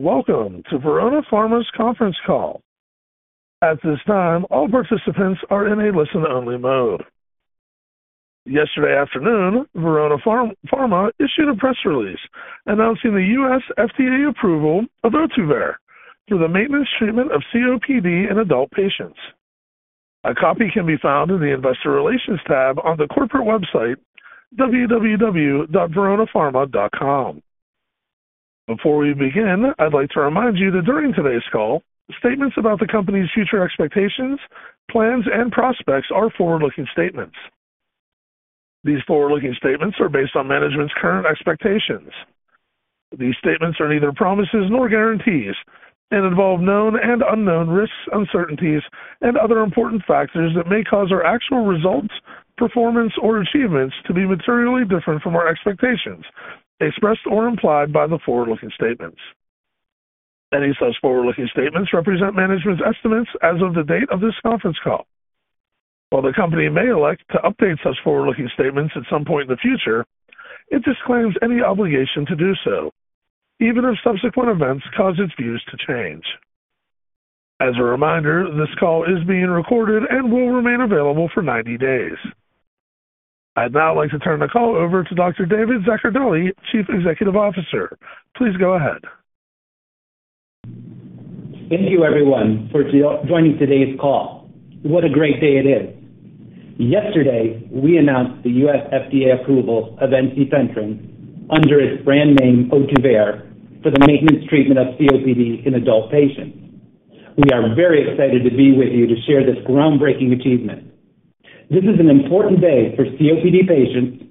Welcome to Verona Pharma's conference call. At this time, all participants are in a listen-only mode. Yesterday afternoon, Verona Pharma issued a press release announcing the U.S. FDA approval of Ohtuvayre for the maintenance treatment of COPD in adult patients. A copy can be found in the investor relations tab on the corporate website, www.veronapharma.com. Before we begin, I'd like to remind you that during today's call, statements about the company's future expectations, plans, and prospects are forward-looking statements. These forward-looking statements are based on management's current expectations. These statements are neither promises nor guarantees and involve known and unknown risks, uncertainties, and other important factors that may cause our actual results, performance, or achievements to be materially different from our expectations expressed or implied by the forward-looking statements. Any such forward-looking statements represent management's estimates as of the date of this conference call. While the company may elect to update such forward-looking statements at some point in the future, it disclaims any obligation to do so, even if subsequent events cause its views to change. As a reminder, this call is being recorded and will remain available for 90 days. I'd now like to turn the call over to Dr. David Zaccardelli, Chief Executive Officer. Please go ahead. Thank you, everyone, for joining today's call. What a great day it is. Yesterday, we announced the U.S. FDA approval of ensifentrine under its brand name, Ohtuvayre, for the maintenance treatment of COPD in adult patients. We are very excited to be with you to share this groundbreaking achievement. This is an important day for COPD patients,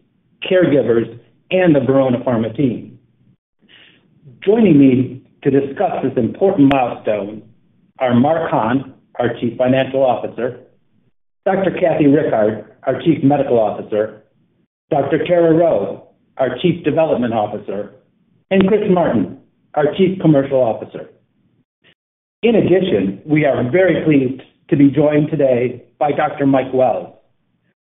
caregivers, and the Verona Pharma team. Joining me to discuss this important milestone are Mark Hahn, our Chief Financial Officer; Dr. Kathleen Rickard, our Chief Medical Officer; Dr. Tara Rheault, our Chief Development Officer; and Chris Martin, our Chief Commercial Officer. In addition, we are very pleased to be joined today by Dr. Michael Wells,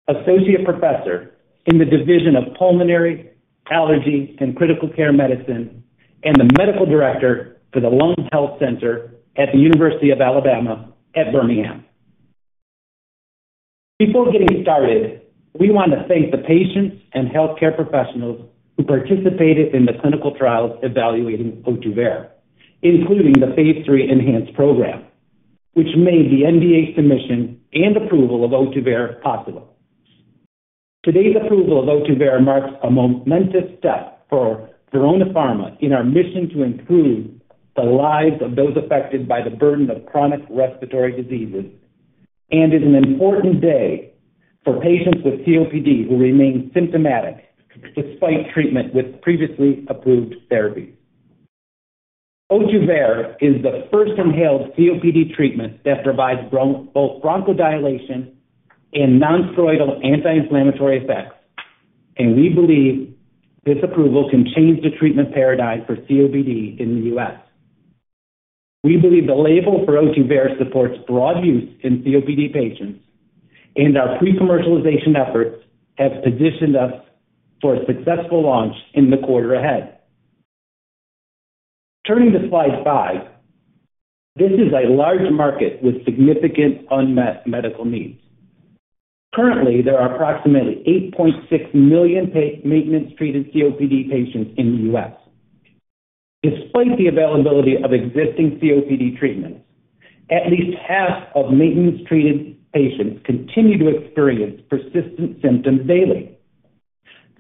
Associate Professor in the Division of Pulmonary, Allergy, and Critical Care Medicine, and the Medical Director for the Lung Health Center at the University of Alabama at Birmingham. Before getting started, we want to thank the patients and healthcare professionals who participated in the clinical trials evaluating Ohtuvayre, including the phase III ENHANCE program, which made the NDA submission and approval of Ohtuvayre possible. Today's approval of Ohtuvayre marks a momentous step for Verona Pharma in our mission to improve the lives of those affected by the burden of chronic respiratory diseases and is an important day for patients with COPD who remain symptomatic despite treatment with previously approved therapies. Ohtuvayre is the first inhaled COPD treatment that provides both bronchodilation and nonsteroidal anti-inflammatory effects, and we believe this approval can change the treatment paradigm for COPD in the U.S. We believe the label for Ohtuvayre supports broad use in COPD patients, and our pre-commercialization efforts have positioned us for a successful launch in the quarter ahead. Turning to slide five, this is a large market with significant unmet medical needs. Currently, there are approximately 8.6 million maintenance-treated COPD patients in the U.S. Despite the availability of existing COPD treatments, at least half of maintenance-treated patients continue to experience persistent symptoms daily.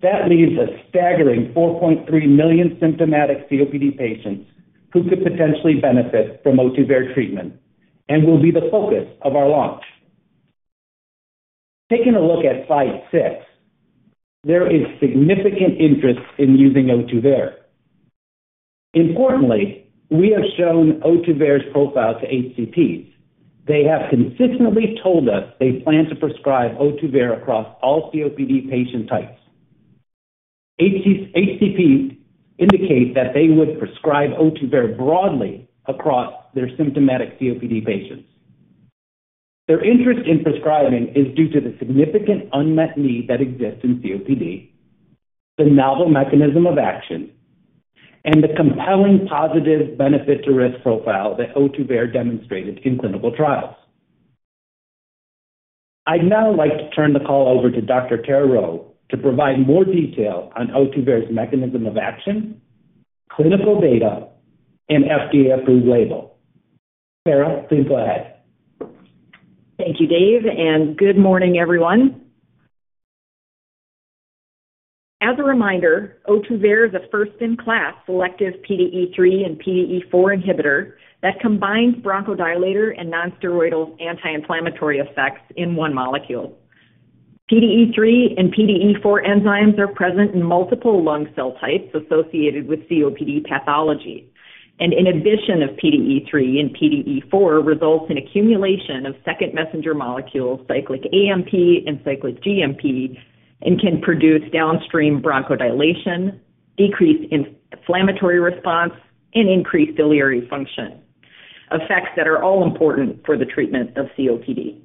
That leaves a staggering 4.3 million symptomatic COPD patients who could potentially benefit from Ohtuvayre treatment and will be the focus of our launch. Taking a look at slide six, there is significant interest in using Ohtuvayre. Importantly, we have shown Ohtuvayre's profile to HCPs. They have consistently told us they plan to prescribe Ohtuvayre across all COPD patient types. HCPs indicate that they would prescribe Ohtuvayre broadly across their symptomatic COPD patients. Their interest in prescribing is due to the significant unmet need that exists in COPD, the novel mechanism of action, and the compelling positive benefit-to-risk profile that Ohtuvayre demonstrated in clinical trials. I'd now like to turn the call over to Dr. Tara Rheault to provide more detail on Ohtuvayre's mechanism of action, clinical data, and FDA-approved label. Tara, please go ahead. Thank you, Dave, and good morning, everyone. As a reminder, Ohtuvayre is a first-in-class selective PDE3 and PDE4 inhibitor that combines bronchodilator and nonsteroidal anti-inflammatory effects in one molecule. PDE3 and PDE4 enzymes are present in multiple lung cell types associated with COPD pathology, and inhibition of PDE3 and PDE4 results in accumulation of second messenger molecules, cyclic AMP and cyclic GMP, and can produce downstream bronchodilation, decrease inflammatory response, and increase ciliary function, effects that are all important for the treatment of COPD.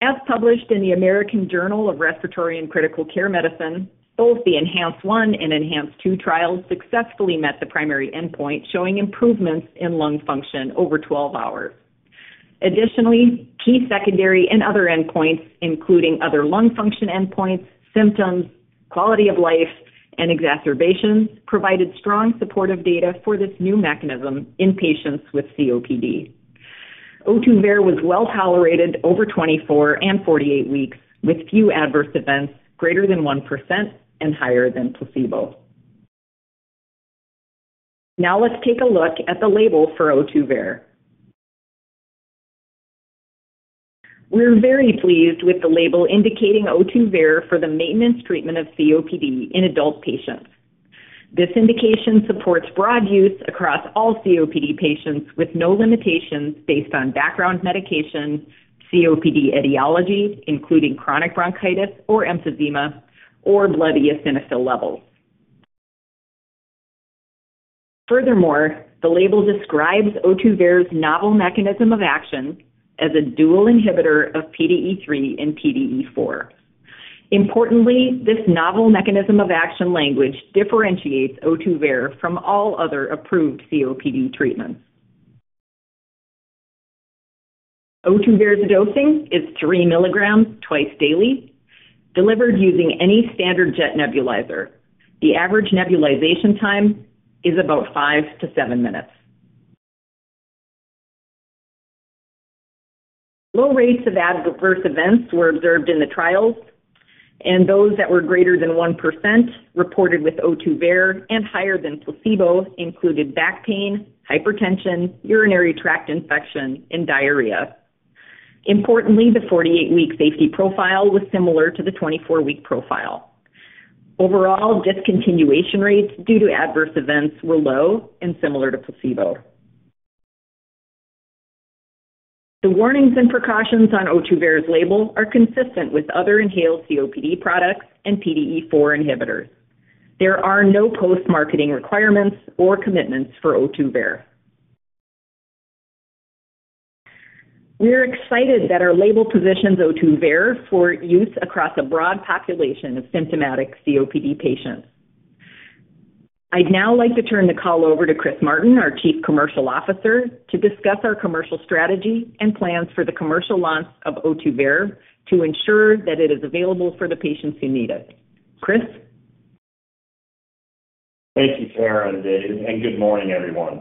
As published in the American Journal of Respiratory and Critical Care Medicine, both the ENHANCE-1 and ENHANCE-2 trials successfully met the primary endpoint, showing improvements in lung function over 12 hours. Additionally, key secondary and other endpoints, including other lung function endpoints, symptoms, quality of life, and exacerbations, provided strong supportive data for this new mechanism in patients with COPD. Ohtuvayre was well tolerated over 24 and 48 weeks, with few adverse events greater than 1% and higher than placebo. Now let's take a look at the label for Ohtuvayre. We're very pleased with the label indicating Ohtuvayre for the maintenance treatment of COPD in adult patients. This indication supports broad use across all COPD patients with no limitations based on background medication, COPD etiology, including chronic bronchitis or emphysema, or blood eosinophil levels. Furthermore, the label describes Ohtuvayre's novel mechanism of action as a dual inhibitor of PDE3 and PDE4. Importantly, this novel mechanism of action language differentiates Ohtuvayre from all other approved COPD treatments. Ohtuvayre's dosing is 3 mg twice daily, delivered using any standard jet nebulizer. The average nebulization time is about five-seven minutes. Low rates of adverse events were observed in the trials, and those that were greater than 1% reported with Ohtuvayre and higher than placebo included back pain, hypertension, urinary tract infection, and diarrhea. Importantly, the 48-week safety profile was similar to the 24-week profile. Overall, discontinuation rates due to adverse events were low and similar to placebo. The warnings and precautions on Ohtuvayre's label are consistent with other inhaled COPD products and PDE4 inhibitors. There are no post-marketing requirements or commitments for Ohtuvayre. We're excited that our label positions Ohtuvayre for use across a broad population of symptomatic COPD patients. I'd now like to turn the call over to Chris Martin, our Chief Commercial Officer, to discuss our commercial strategy and plans for the commercial launch of Ohtuvayre to ensure that it is available for the patients who need it. Chris? Thank you, Tara and Dave, and good morning, everyone.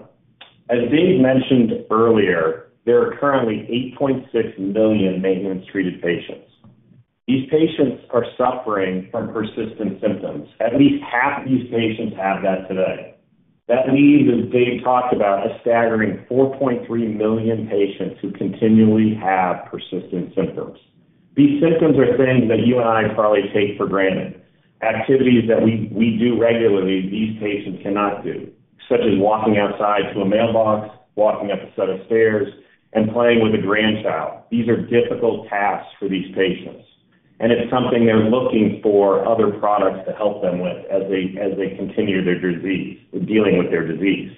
As Dave mentioned earlier, there are currently 8.6 million maintenance-treated patients. These patients are suffering from persistent symptoms. At least half of these patients have that today. That leaves, as Dave talked about, a staggering 4.3 million patients who continually have persistent symptoms. These symptoms are things that you and I probably take for granted. Activities that we do regularly, these patients cannot do, such as walking outside to a mailbox, walking up a set of stairs, and playing with a grandchild. These are difficult tasks for these patients, and it's something they're looking for other products to help them with as they continue their disease or dealing with their disease.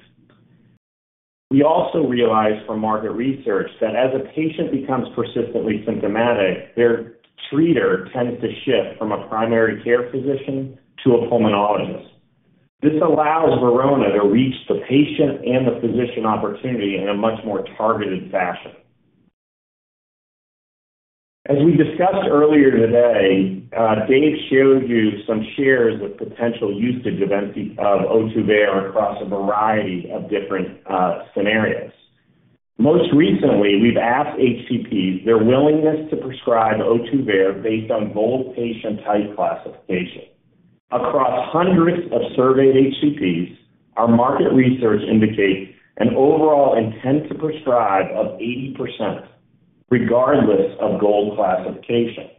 We also realize from market research that as a patient becomes persistently symptomatic, their treater tends to shift from a primary care physician to a pulmonologist. This allows Verona to reach the patient and the physician opportunity in a much more targeted fashion. As we discussed earlier today, Dave showed you some shares of potential usage of Ohtuvayre across a variety of different scenarios. Most recently, we've asked HCPs their willingness to prescribe Ohtuvayre based on GOLD patient type classification. Across hundreds of surveyed HCPs, our market research indicates an overall intent to prescribe of 80%, regardless of GOLD classification.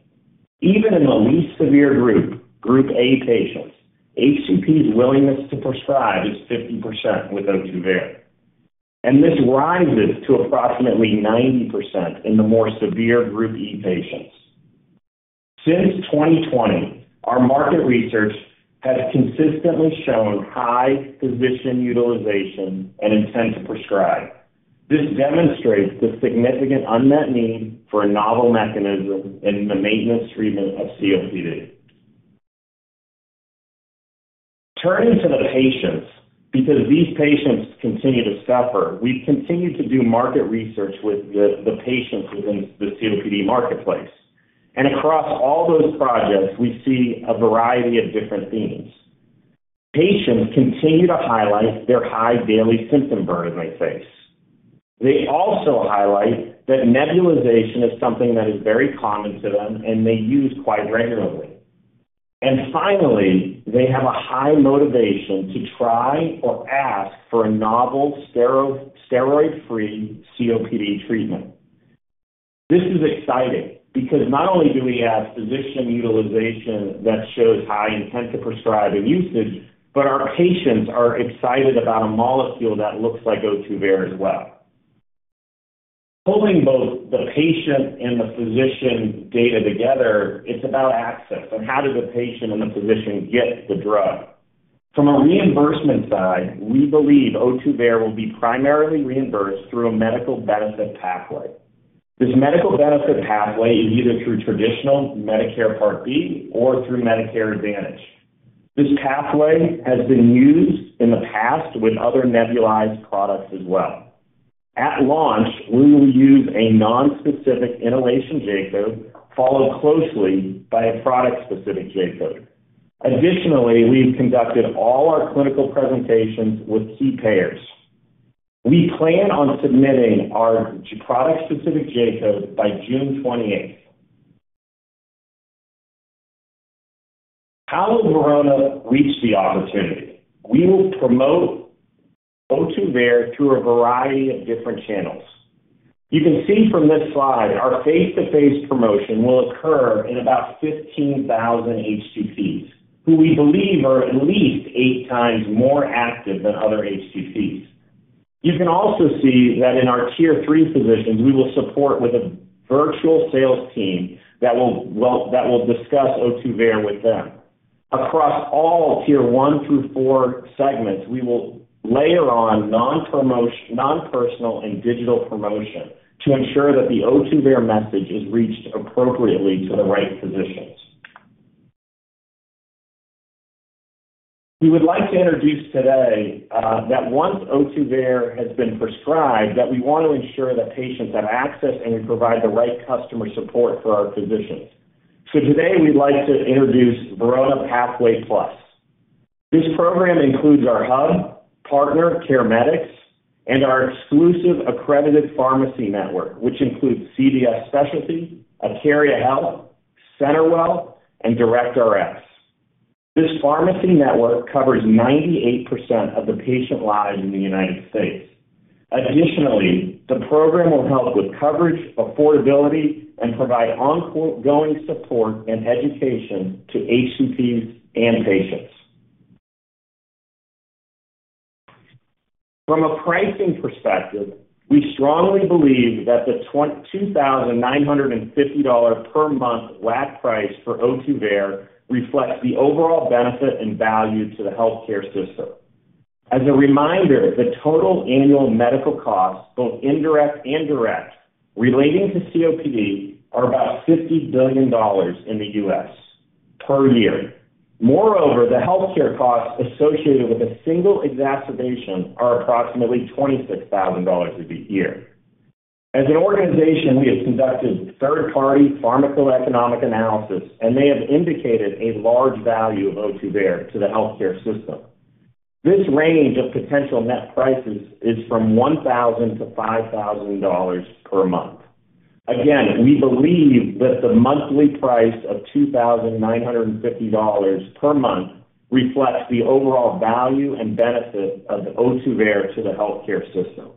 Even in the least severe group, Group A patients, HCPs' willingness to prescribe is 50% with Ohtuvayre, and this rises to approximately 90% in the more severe Group E patients. Since 2020, our market research has consistently shown high physician utilization and intent to prescribe. This demonstrates the significant unmet need for a novel mechanism in the maintenance treatment of COPD. Turning to the patients, because these patients continue to suffer, we've continued to do market research with the patients within the COPD marketplace, and across all those projects, we see a variety of different themes. Patients continue to highlight their high daily symptom burden they face. They also highlight that nebulization is something that is very common to them and they use quite regularly. And finally, they have a high motivation to try or ask for a novel steroid-free COPD treatment. This is exciting because not only do we have physician utilization that shows high intent to prescribe and usage, but our patients are excited about a molecule that looks like Ohtuvayre as well. Pulling both the patient and the physician data together, it's about access and how did the patient and the physician get the drug. From a reimbursement side, we believe Ohtuvayre will be primarily reimbursed through a medical benefit pathway. This medical benefit pathway is either through traditional Medicare Part B or through Medicare Advantage. This pathway has been used in the past with other nebulized products as well. At launch, we will use a nonspecific inhalation J code followed closely by a product-specific J code. Additionally, we've conducted all our clinical presentations with key payers. We plan on submitting our product-specific J code by June 28th. How will Verona reach the opportunity? We will promote Ohtuvayre through a variety of different channels. You can see from this slide, our face-to-face promotion will occur in about 15,000 HCPs, who we believe are at least eight times more active than other HCPs. You can also see that in our Tier III physicians, we will support with a virtual sales team that will discuss Ohtuvayre with them. Across all Tier I through IV segments, we will layer on nonpersonal and digital promotion to ensure that the Ohtuvayre message is reached appropriately to the right physicians. We would like to introduce today that once Ohtuvayre has been prescribed, that we want to ensure that patients have access and we provide the right customer support for our physicians. So today, we'd like to introduce Verona Pathway Plus. This program includes ou r hub, partner, CareMetx, and our exclusive accredited pharmacy network, which includes CVS Specialty, AcariaHealth, CenterWell, and DirectRx. This pharmacy network covers 98% of the patient lives in the United States. Additionally, the program will help with coverage, affordability, and provide ongoing support and education to HCPs and patients. From a pricing perspective, we strongly believe that the $2,950 per month WAC price for Ohtuvayre reflects the overall benefit and value to the healthcare system. As a reminder, the total annual medical costs, both indirect and direct, relating to COPD, are about $50 billion in the U.S. per year. Moreover, the healthcare costs associated with a single exacerbation are approximately $26,000 a year. As an organization, we have conducted third-party pharmacoeconomic analysis and may have indicated a large value of Ohtuvayre to the healthcare system. This range of potential net prices is from $1,000-$5,000 per month. Again, we believe that the monthly price of $2,950 per month reflects the overall value and benefit of Ohtuvayre to the healthcare system.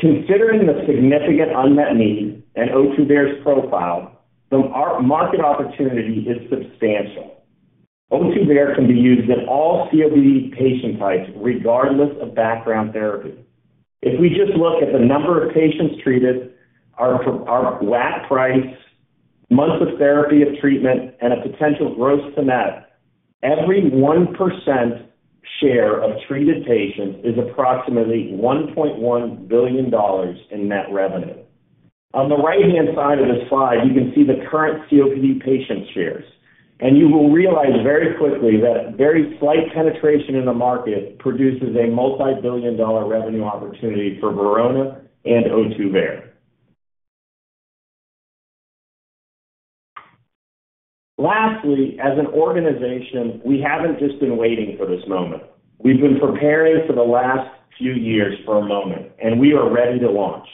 Considering the significant unmet need and Ohtuvayre's profile, the market opportunity is substantial. Ohtuvayre can be used in all COPD patient types, regardless of background therapy. If we just look at the number of patients treated, our WAC price, months of therapy of treatment, and a potential gross to net, every 1% share of treated patients is approximately $1.1 billion in net revenue. On the right-hand side of this slide, you can see the current COPD patient shares, and you will realize very quickly that very slight penetration in the market produces a multi-billion dollar revenue opportunity for Verona and Ohtuvayre. Lastly, as an organization, we haven't just been waiting for this moment. We've been preparing for the last few years for a moment, and we are ready to launch.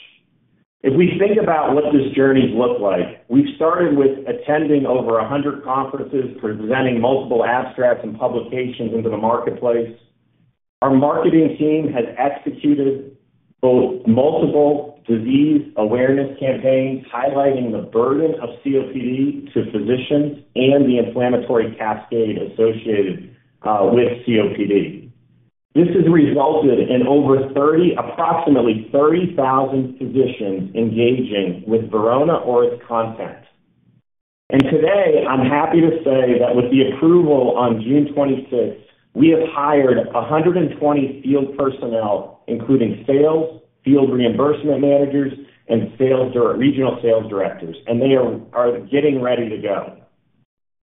If we think about what this journey's looked like, we've started with attending over 100 conferences, presenting multiple abstracts and publications into the marketplace. Our marketing team has executed both multiple disease awareness campaigns highlighting the burden of COPD to physicians and the inflammatory cascade associated with COPD. This has resulted in over 30, approximately 30,000 physicians engaging with Verona or its content. Today, I'm happy to say that with the approval on June 26th, we have hired 120 field personnel, including sales, field reimbursement managers, and regional sales directors, and they are getting ready to go.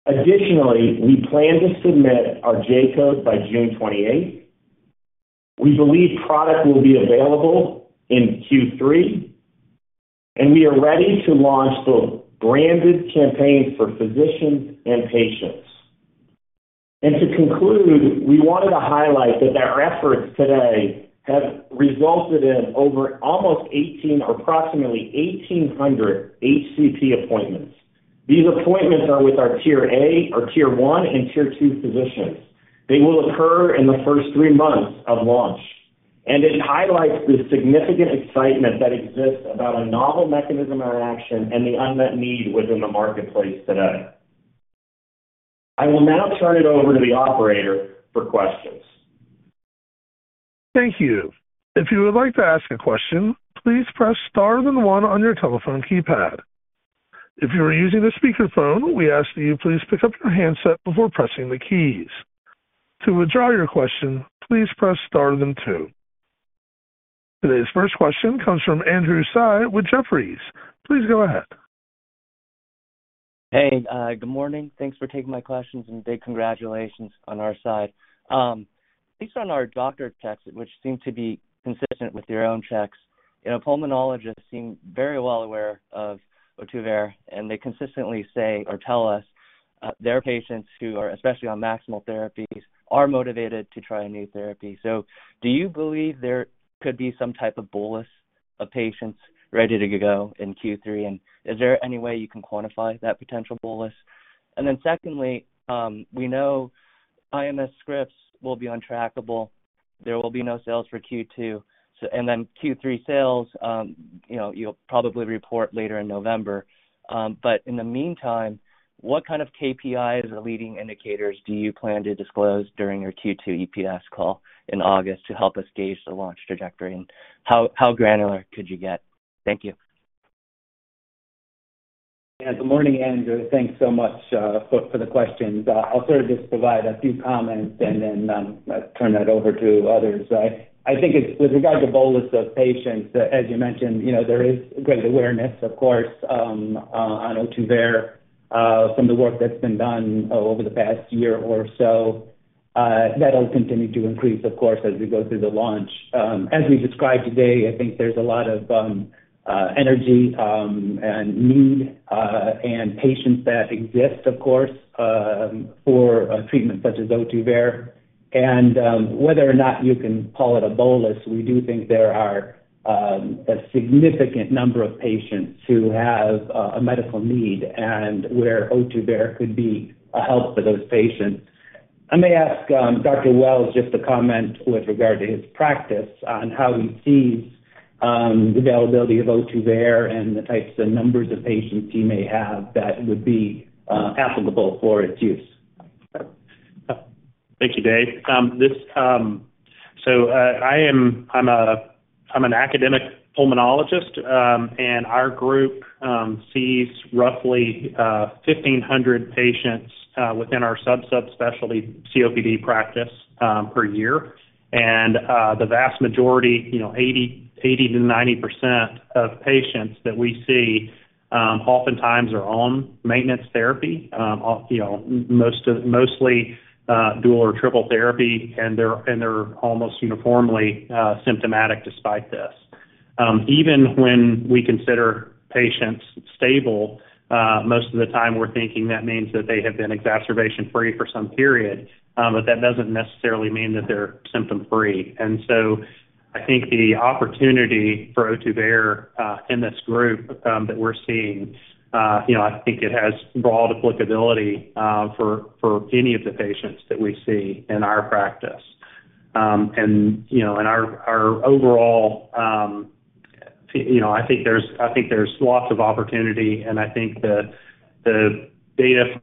Additionally, we plan to submit our J-code by June 28th. We believe product will be available in Q3, and we are ready to launch both branded campaigns for physicians and patients. To conclude, we wanted to highlight that our efforts today have resulted in almost 18, approximately 1,800 HCP appointments. These appointments are with our Tier I and Tier II physicians. They will occur in the first three months of launch, and it highlights the significant excitement that exists about a novel mechanism of action and the unmet need within the marketplace today. I will now turn it over to the operator for questions. Thank you. If you would like to ask a question, please press star then one on your telephone keypad. If you are using a speakerphone, we ask that you please pick up your handset before pressing the keys. To withdraw your question, please press star then two. Today's first question comes from Andrew Tsai with Jefferies. Please go ahead. Hey, good morning. Thanks for taking my questions and big congratulations on our side. These are on our doctor checks, which seem to be consistent with your own checks. Pulmonologists seem very well aware of Ohtuvayre, and they consistently say or tell us their patients who are especially on maximal therapies are motivated to try a new therapy. So do you believe there could be some type of bolus of patients ready to go in Q3, and is there any way you can quantify that potential bolus? And then secondly, we know IMS scripts will be untrackable. There will be no sales for Q2, and then Q3 sales, you'll probably report later in November. But in the meantime, what kind of KPIs or leading indicators do you plan to disclose during your Q2 EPS call in August to help us gauge the launch trajectory, and how granular could you get? Thank you. Yeah, good morning, Andrew. Thanks so much for the questions. I'll sort of just provide a few comments and then turn that over to others. I think with regard to bolus of patients, as you mentioned, there is great awareness, of course, on Ohtuvayre from the work that's been done over the past year or so. That'll continue to increase, of course, as we go through the launch. As we described today, I think there's a lot of energy and need and patients that exist, of course, for treatment such as Ohtuvayre. And whether or not you can call it a bolus, we do think there are a significant number of patients who have a medical need and where Ohtuvayre could be a help for those patients. I may ask Dr. Wells, just to comment with regard to his practice on how he sees the availability of Ohtuvayre and the types and numbers of patients he may have that would be applicable for its use. Thank you, Dave. So I'm an academic pulmonologist, and our group sees roughly 1,500 patients within our subspecialty COPD practice per year. And the vast majority, 80%-90% of patients that we see oftentimes are on maintenance therapy, mostly dual or triple therapy, and they're almost uniformly symptomatic despite this. Even when we consider patients stable, most of the time we're thinking that means that they have been exacerbation-free for some period, but that doesn't necessarily mean that they're symptom-free. And so I think the opportunity for Ohtuvayre in this group that we're seeing, I think it has broad applicability for any of the patients that we see in our practice. In our overall, I think there's lots of opportunity, and I think the data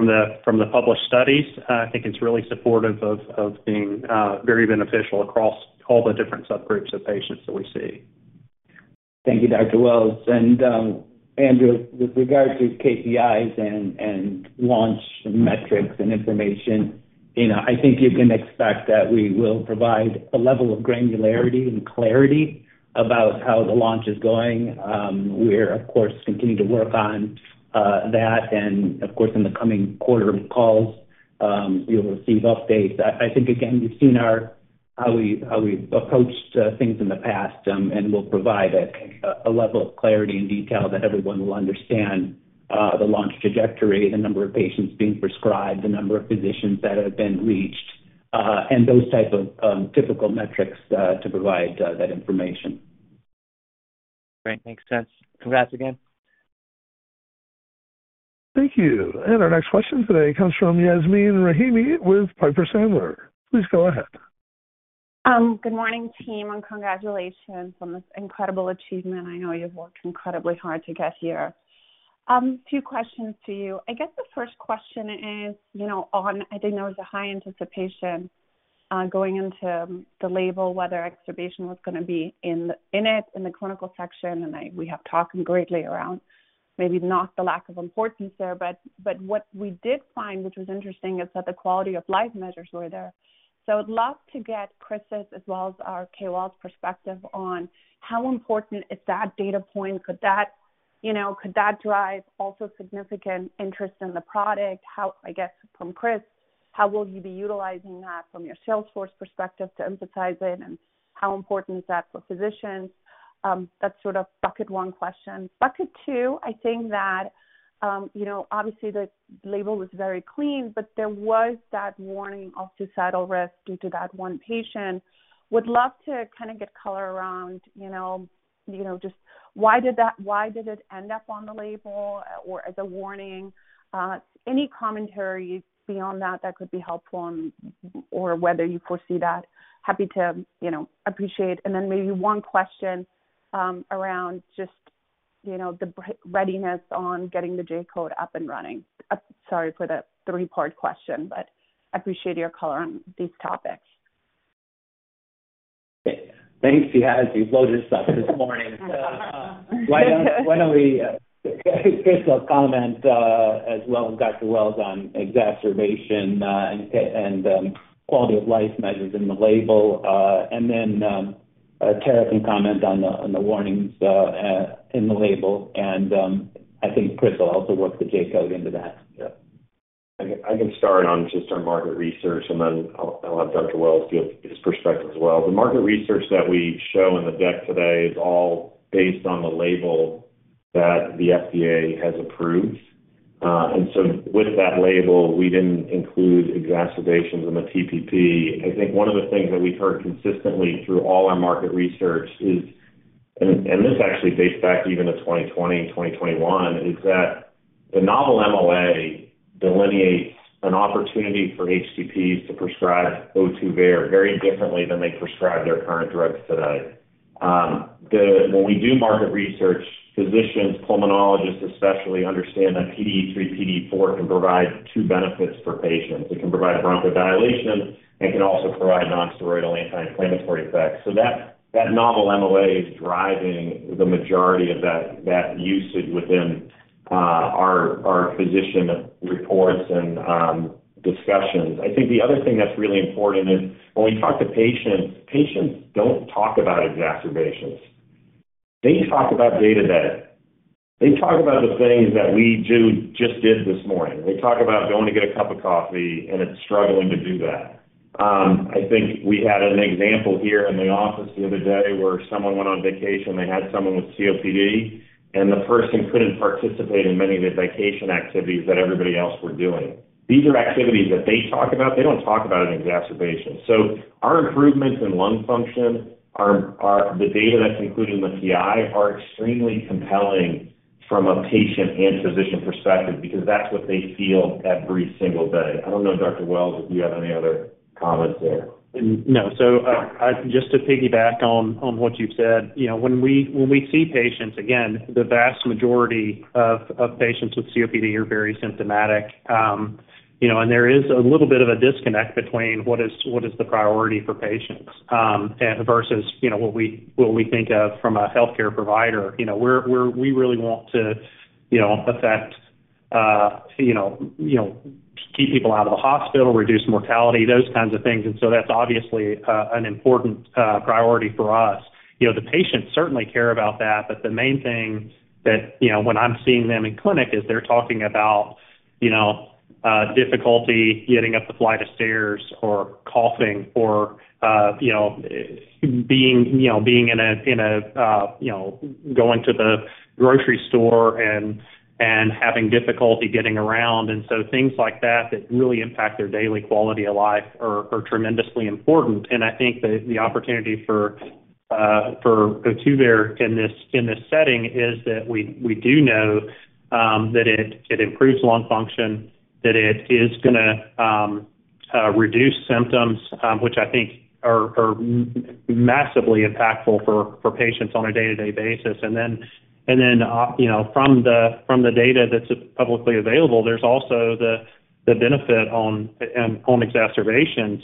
from the published studies. I think it's really supportive of being very beneficial across all the different subgroups of patients that we see. Thank you, Dr. Wells. And Andrew, with regard to KPIs and launch metrics and information, I think you can expect that we will provide a level of granularity and clarity about how the launch is going. We're, of course, continuing to work on that, and of course, in the coming quarterly calls, you'll receive updates. I think, again, you've seen how we've approached things in the past, and we'll provide a level of clarity and detail that everyone will understand the launch trajectory, the number of patients being prescribed, the number of physicians that have been reached, and those types of typical metrics to provide that information. Great. Makes sense. Congrats again. Thank you. Our next question today comes from Yasmeen Rahimi with Piper Sandler. Please go ahead. Good morning, team, and congratulations on this incredible achievement. I know you've worked incredibly hard to get here. A few questions to you. I guess the first question is, I think there was a high anticipation going into the label whether exacerbation was going to be in it in the clinical section, and we have talked greatly around maybe not the lack of importance there, but what we did find, which was interesting, is that the quality of life measures were there. So I would love to get Chris' as well as our KOL's perspective on how important is that data point? Could that drive also significant interest in the product? I guess from Chris, how will you be utilizing that from your salesforce perspective to emphasize it, and how important is that for physicians? That's sort of bucket one question. Bucket two, I think that obviously the label was very clean, but there was that warning of suicidal risk due to that one patient. Would love to kind of get color around just why did it end up on the label or as a warning? Any commentary beyond that that could be helpful or whether you foresee that? Happy to appreciate. And then maybe one question around just the readiness on getting the J code up and running. Sorry for the three-part question, but I appreciate your color on these topics. Thanks, you guys. You loaded us up this morning. Why don't we get a comment as well as Dr. Wells on exacerbation and quality of life measures in the label? And then Tara can comment on the warnings in the label. And I think Chris will also work the J code into that. I can start on just our market research, and then I'll have Dr. Wells give his perspective as well. The market research that we show in the deck today is all based on the label that the FDA has approved. And so with that label, we didn't include exacerbations in the TPP. I think one of the things that we've heard consistently through all our market research is, and this actually dates back even to 2020 and 2021, is that the novel MOA delineates an opportunity for HCPs to prescribe Ohtuvayre very differently than they prescribe their current drugs today. When we do market research, physicians, pulmonologists especially, understand that PDE3, PDE4 can provide two benefits for patients. It can provide bronchodilation and can also provide nonsteroidal anti-inflammatory effects. So that novel MOA is driving the majority of that usage within our physician reports and discussions. I think the other thing that's really important is when we talk to patients, patients don't talk about exacerbations. They talk about day-to-day. They talk about the things that we just did this morning. They talk about going to get a cup of coffee, and it's struggling to do that. I think we had an example here in the office the other day where someone went on vacation. They had someone with COPD, and the person couldn't participate in many of the vacation activities that everybody else was doing. These are activities that they talk about. They don't talk about an exacerbation. So our improvements in lung function, the data that's included in the PI, are extremely compelling from a patient and physician perspective because that's what they feel every single day. I don't know, Dr. Wells, if you have any other comments there. No. So just to piggyback on what you've said, when we see patients, again, the vast majority of patients with COPD are very symptomatic, and there is a little bit of a disconnect between what is the priority for patients versus what we think of from a healthcare provider. We really want to affect, keep people out of the hospital, reduce mortality, those kinds of things. And so that's obviously an important priority for us. The patients certainly care about that, but the main thing that when I'm seeing them in clinic is they're talking about difficulty getting up the flight of stairs or coughing or being in a going to the grocery store and having difficulty getting around. And so things like that that really impact their daily quality of life are tremendously important. I think the opportunity for Ohtuvayre in this setting is that we do know that it improves lung function, that it is going to reduce symptoms, which I think are massively impactful for patients on a day-to-day basis. And then from the data that's publicly available, there's also the benefit on exacerbations.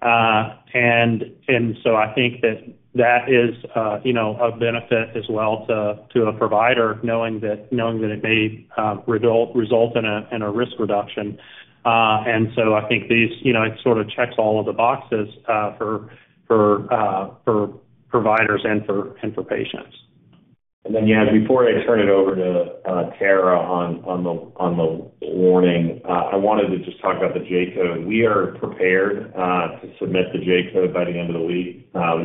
And so I think that that is a benefit as well to a provider knowing that it may result in a risk reduction. And so I think it sort of checks all of the boxes for providers and for patients. And then, yeah, before I turn it over to Tara on the warning, I wanted to just talk about the J code. We are prepared to submit the J code by the end of the week. I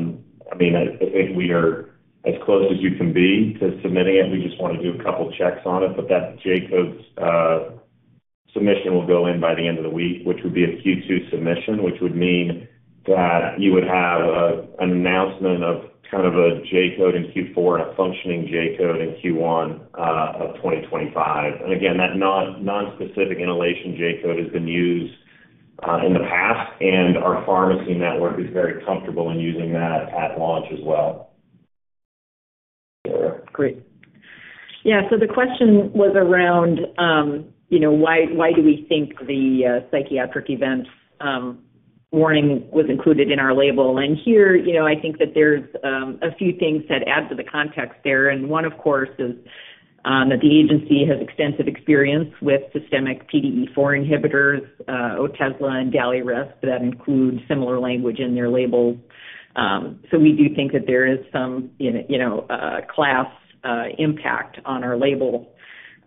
mean, I think we are as close as you can be to submitting it. We just want to do a couple of checks on it, but that J code submission will go in by the end of the week, which would be a Q2 submission, which would mean that you would have an announcement of kind of a J code in Q4 and a functioning J code in Q1 of 2025. And again, that nonspecific inhalation J code has been used in the past, and our pharmacy network is very comfortable in using that at launch as well. Great. Yeah. So the question was around why do we think the psychiatric event warning was included in our label? Here, I think that there's a few things that add to the context there. One, of course, is that the agency has extensive experience with systemic PDE4 inhibitors, Otezla and Daliresp that include similar language in their labels. So we do think that there is some class impact on our label.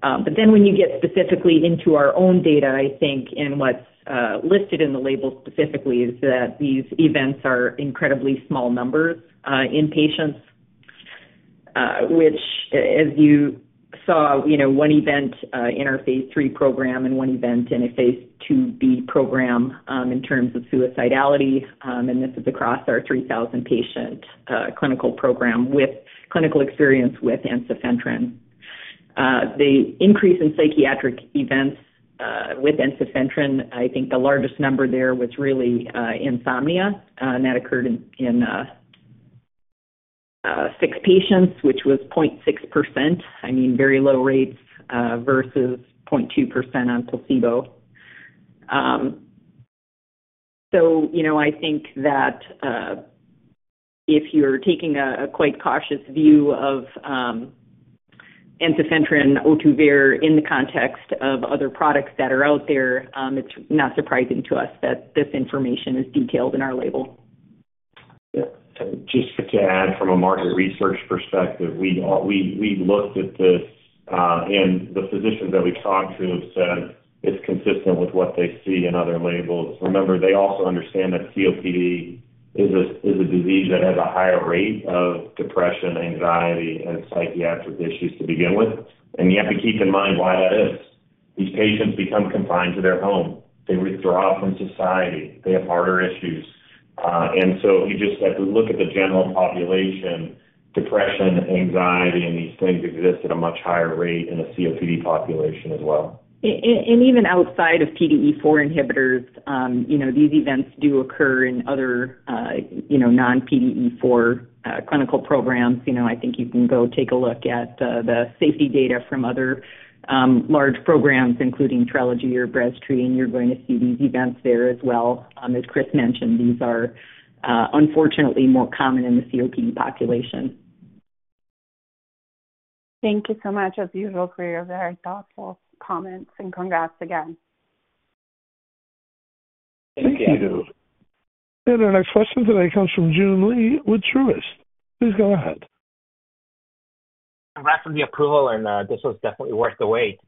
But then when you get specifically into our own data, I think, and what's listed in the label specifically is that these events are incredibly small numbers in patients, which, as you saw, one event in our phase III program and one event in a phase IIb program in terms of suicidality. And this is across our 3,000-patient clinical program with clinical experience with ensifentrine. The increase in psychiatric events with ensifentrine, I think the largest number there was really insomnia, and that occurred in six patients, which was 0.6%. I mean, very low rates versus 0.2% on placebo. So I think that if you're taking a quite cautious view of ensifentrine, Ohtuvayre in the context of other products that are out there, it's not surprising to us that this information is detailed in our label. Just to add, from a market research perspective, we looked at this, and the physicians that we've talked to have said it's consistent with what they see in other labels. Remember, they also understand that COPD is a disease that has a higher rate of depression, anxiety, and psychiatric issues to begin with. And you have to keep in mind why that is. These patients become confined to their home. They withdraw from society. They have harder issues. And so you just have to look at the general population. Depression, anxiety, and these things exist at a much higher rate in the COPD population as well. Even outside of PDE4 inhibitors, these events do occur in other non-PDE4 clinical programs. I think you can go take a look at the safety data from other large programs, including Trelegy or Breztri, and you're going to see these events there as well. As Chris mentioned, these are unfortunately more common in the COPD population. Thank you so much, as usual, for your very thoughtful comments, and congrats again. Thank you. Thank you. Our next question today comes from Joon Lee with Truist. Please go ahead. Congrats on the approval, and this was definitely worth the wait.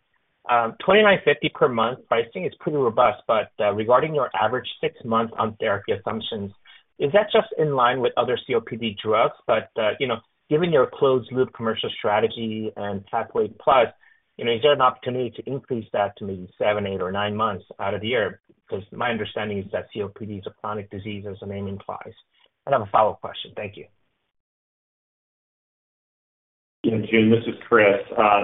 $29.50 per month pricing is pretty robust, but regarding your average six-month on therapy assumptions, is that just in line with other COPD drugs? But given your closed-loop commercial strategy and Pathway Plus, is there an opportunity to increase that to maybe seven, eight, or nine months out of the year? Because my understanding is that COPD is a chronic disease, as the name implies. I have a follow-up question. Thank you. Thank you, Joon. This is Chris.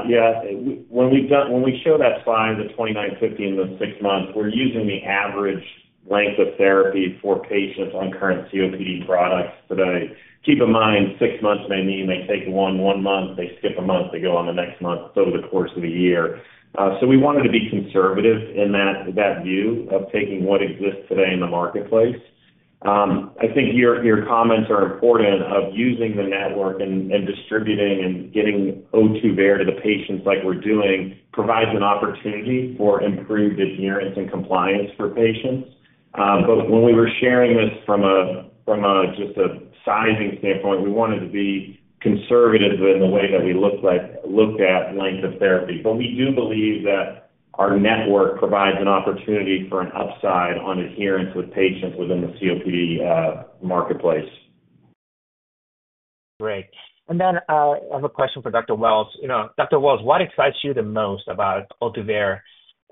Yeah. When we show that slide of the $29.50 in the six months, we're using the average length of therapy for patients on current COPD products today. Keep in mind, six months may mean they take one month, they skip a month, they go on the next month, so the course of the year. So we wanted to be conservative in that view of taking what exists today in the marketplace. I think your comments are important of using the network and distributing and getting Ohtuvayre to the patients like we're doing provides an opportunity for improved adherence and compliance for patients. But when we were sharing this from just a sizing standpoint, we wanted to be conservative in the way that we looked at length of therapy. We do believe that our network provides an opportunity for an upside on adherence with patients within the COPD marketplace. Great. And then I have a question for Dr. Wells. Dr. Wells, what excites you the most about Ohtuvayre,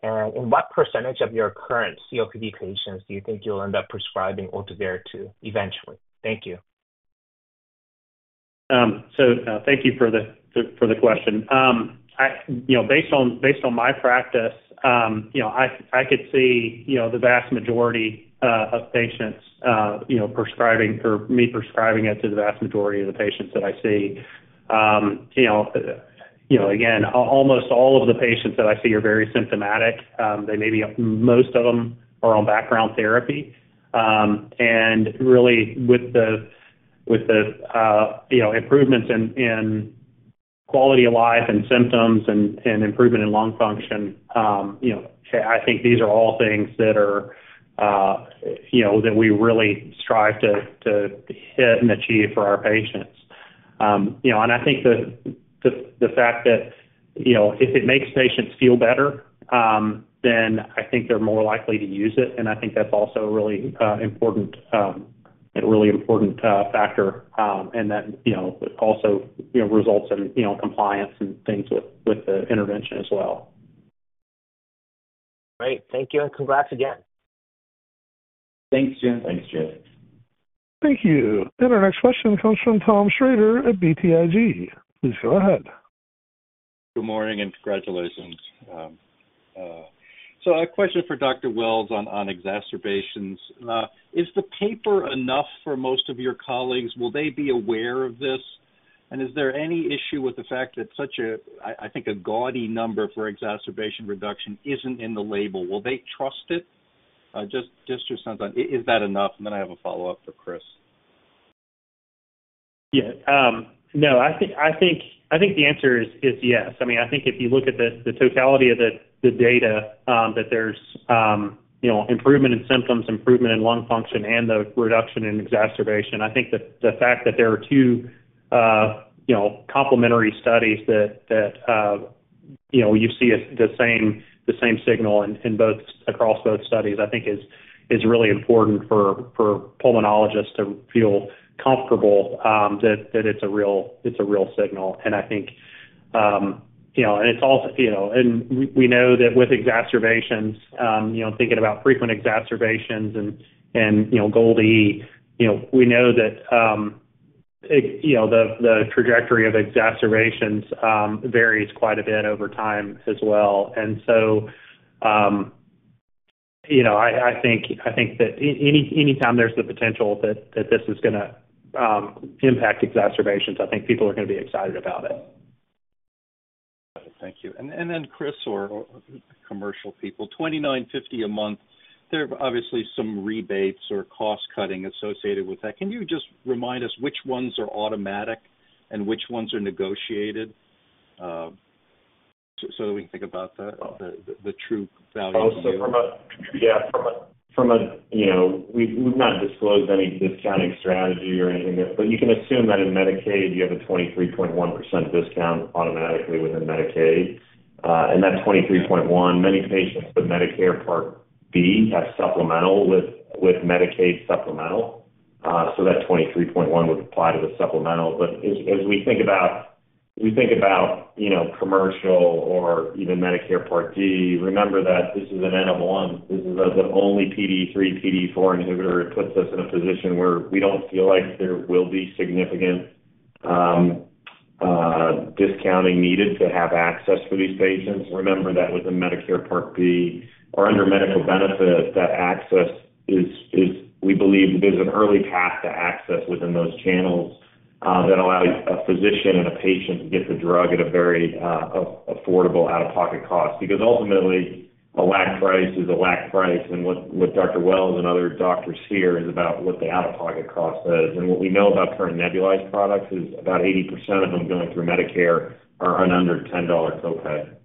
and in what percentage of your current COPD patients do you think you'll end up prescribing Ohtuvayre to eventually? Thank you. So, thank you for the question. Based on my practice, I could see the vast majority of patients, me prescribing it to the vast majority of the patients that I see. Again, almost all of the patients that I see are very symptomatic. Most of them are on background therapy. And really, with the improvements in quality of life and symptoms and improvement in lung function, I think these are all things that we really strive to hit and achieve for our patients. And I think the fact that if it makes patients feel better, then I think they're more likely to use it. And I think that's also a really important factor, and that also results in compliance and things with the intervention as well. Great. Thank you, and congrats again. Thanks, Joon. Thanks, Joon. Thank you. Our next question comes from Thomas Shrader at BTIG. Please go ahead. Good morning, and congratulations. So a question for Dr. Wells on exacerbations. Is the paper enough for most of your colleagues? Will they be aware of this? And is there any issue with the fact that such a, I think, a gaudy number for exacerbation reduction isn't in the label? Will they trust it? Just to sound on, is that enough? And then I have a follow-up for Chris. Yeah. No, I think the answer is yes. I mean, I think if you look at the totality of the data, that there's improvement in symptoms, improvement in lung function, and the reduction in exacerbation. I think the fact that there are two complementary studies that you see the same signal across both studies, I think, is really important for pulmonologists to feel comfortable that it's a real signal. And I think, and it's also, and we know that with exacerbations, thinking about frequent exacerbations and GOLD E, we know that the trajectory of exacerbations varies quite a bit over time as well. And so I think that anytime there's the potential that this is going to impact exacerbations, I think people are going to be excited about it. Got it. Thank you. And then Chris, or commercial people, $29.50 a month. There are obviously some rebates or cost-cutting associated with that. Can you just remind us which ones are automatic and which ones are negotiated so that we can think about the true value? Oh, so yeah, from a, we've not disclosed any discounting strategy or anything there, but you can assume that in Medicaid, you have a 23.1% discount automatically within Medicaid. And that 23.1%, many patients with Medicare Part B have supplemental with Medicaid supplemental. So that 23.1% would apply to the supplemental. But as we think about commercial or even Medicare Part D, remember that this is an N of one. This is the only PDE3, PDE4 inhibitor. It puts us in a position where we don't feel like there will be significant discounting needed to have access for these patients. Remember that within Medicare Part B or under medical benefit, that access is, we believe, there's an early path to access within those channels that allows a physician and a patient to get the drug at a very affordable out-of-pocket cost. Because ultimately, a list price is a list price. What Dr. Wells and other doctors hear is about what the out-of-pocket cost is. What we know about current nebulized products is about 80% of them going through Medicare are on under $10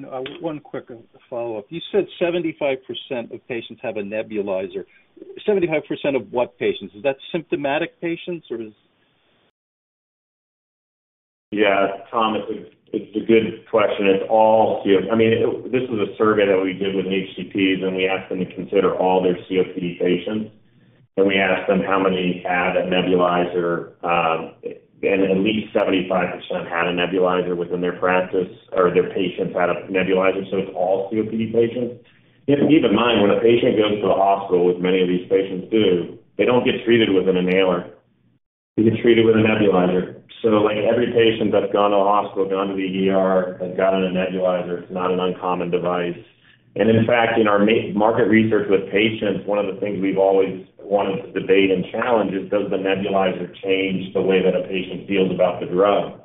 copay. One quick follow-up. You said 75% of patients have a nebulizer. 75% of what patients? Is that symptomatic patients, or is? Yeah. Tom, it's a good question. I mean, this was a survey that we did with HCPs, and we asked them to consider all their COPD patients. And we asked them how many had a nebulizer, and at least 75% had a nebulizer within their practice or their patients had a nebulizer. So it's all COPD patients. Keep in mind, when a patient goes to the hospital, which many of these patients do, they don't get treated with an inhaler. They get treated with a nebulizer. So every patient that's gone to the hospital has gotten a nebulizer. It's not an uncommon device. And in fact, in our market research with patients, one of the things we've always wanted to debate and challenge is, does the nebulizer change the way that a patient feels about the drug?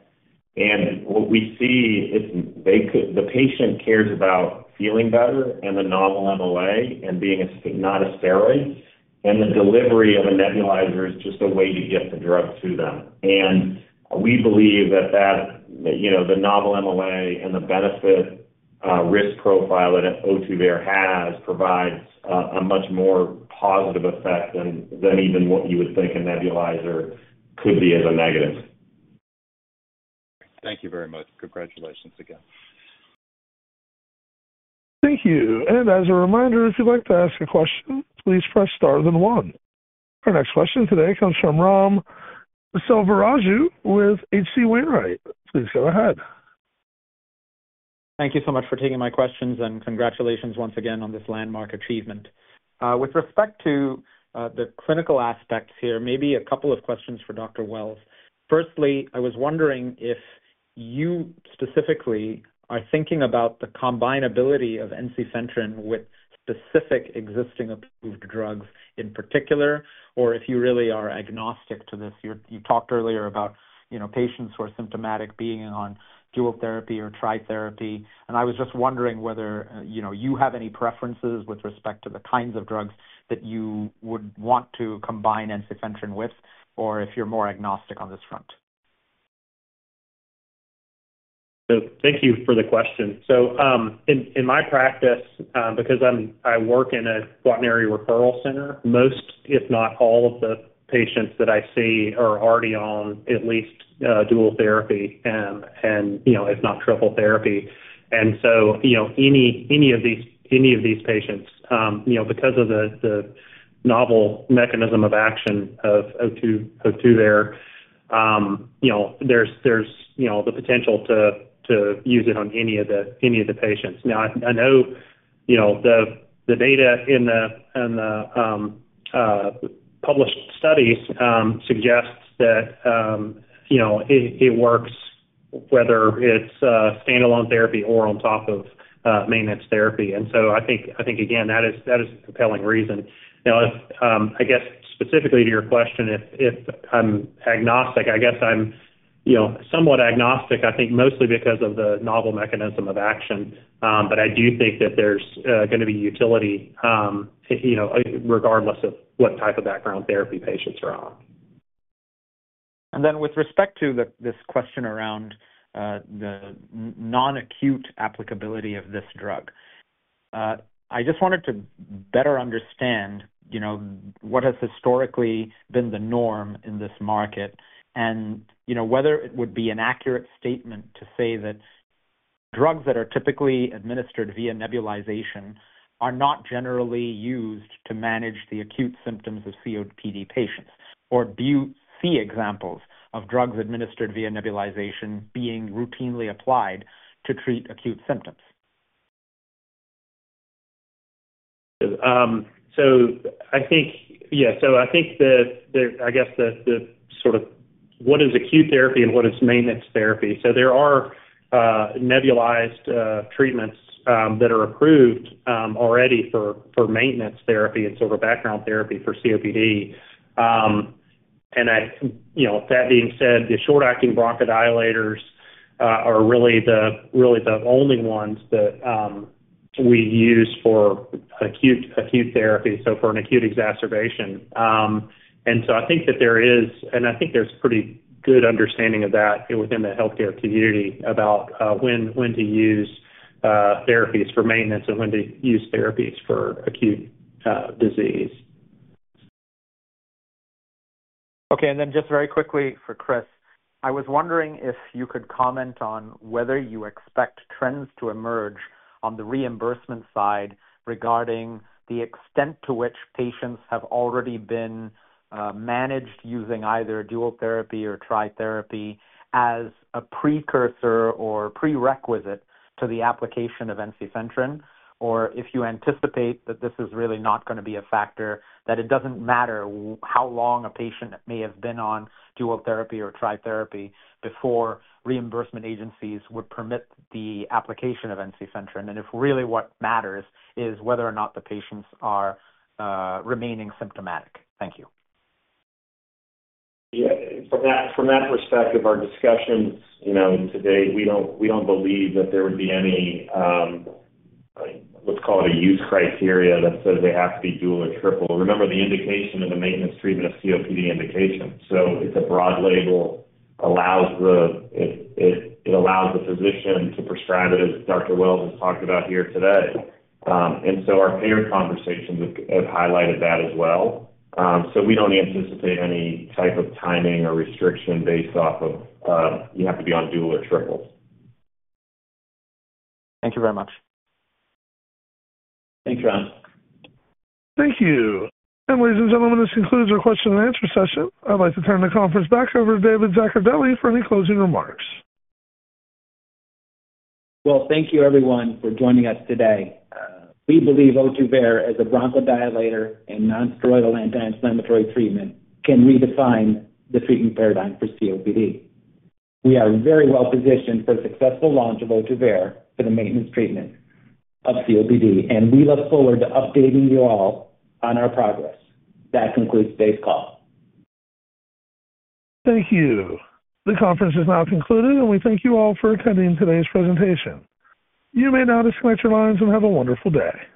What we see, the patient cares about feeling better and the novel MOA and being not a steroid. The delivery of a nebulizer is just a way to get the drug to them. We believe that the novel MOA and the benefit risk profile that Ohtuvayre has provides a much more positive effect than even what you would think a nebulizer could be as a negative. Thank you very much. Congratulations again. Thank you. And as a reminder, if you'd like to ask a question, please press star then one. Our next question today comes from Ram Selvaraju with H.C. Wainwright. Please go ahead. Thank you so much for taking my questions, and congratulations once again on this landmark achievement. With respect to the clinical aspects here, maybe a couple of questions for Dr. Wells. Firstly, I was wondering if you specifically are thinking about the combinability of ensifentrine with specific existing approved drugs in particular, or if you really are agnostic to this. You talked earlier about patients who are symptomatic being on dual therapy or tri-therapy. I was just wondering whether you have any preferences with respect to the kinds of drugs that you would want to combine ensifentrine with, or if you're more agnostic on this front. So thank you for the question. So in my practice, because I work in a quaternary referral center, most, if not all, of the patients that I see are already on at least dual therapy, and if not triple therapy. And so any of these patients, because of the novel mechanism of action of Ohtuvayre, there's the potential to use it on any of the patients. Now, I know the data in the published studies suggests that it works whether it's standalone therapy or on top of maintenance therapy. And so I think, again, that is a compelling reason. Now, I guess specifically to your question, if I'm agnostic, I guess I'm somewhat agnostic, I think mostly because of the novel mechanism of action. But I do think that there's going to be utility regardless of what type of background therapy patients are on. With respect to this question around the non-acute applicability of this drug, I just wanted to better understand what has historically been the norm in this market, and whether it would be an accurate statement to say that drugs that are typically administered via nebulization are not generally used to manage the acute symptoms of COPD patients, or do you see examples of drugs administered via nebulization being routinely applied to treat acute symptoms? I guess the sort of what is acute therapy and what is maintenance therapy? So there are nebulized treatments that are approved already for maintenance therapy and sort of background therapy for COPD. And that being said, the short-acting bronchodilators are really the only ones that we use for acute therapy, so for an acute exacerbation. And so I think that there is, and I think there's pretty good understanding of that within the healthcare community about when to use therapies for maintenance and when to use therapies for acute disease. Okay. And then just very quickly for Chris, I was wondering if you could comment on whether you expect trends to emerge on the reimbursement side regarding the extent to which patients have already been managed using either dual therapy or tri-therapy as a precursor or prerequisite to the application of ensifentrine, or if you anticipate that this is really not going to be a factor, that it doesn't matter how long a patient may have been on dual therapy or tri-therapy before reimbursement agencies would permit the application of ensifentrine. And if really what matters is whether or not the patients are remaining symptomatic. Thank you. Yeah. From that perspective, our discussions today, we don't believe that there would be any, let's call it a use criteria that says they have to be dual or triple. Remember, the indication of the maintenance treatment of COPD indication. So it's a broad label. It allows the physician to prescribe it as Dr. Wells has talked about here today. And so our payer conversations have highlighted that as well. So we don't anticipate any type of timing or restriction based off of you have to be on dual or triple. Thank you very much. Thanks, John. Thank you. Ladies and gentlemen, this concludes our question and answer session. I'd like to turn the conference back over to David Zaccardelli for any closing remarks. Well, thank you, everyone, for joining us today. We believe Ohtuvayre, as a bronchodilator and nonsteroidal anti-inflammatory treatment, can redefine the treatment paradigm for COPD. We are very well positioned for a successful launch of Ohtuvayre for the maintenance treatment of COPD, and we look forward to updating you all on our progress. That concludes today's call. Thank you. The conference is now concluded, and we thank you all for attending today's presentation. You may now disconnect your lines and have a wonderful day.